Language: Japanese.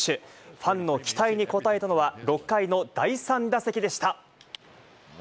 ファンの期待に応えたのは６回の第３打席でした。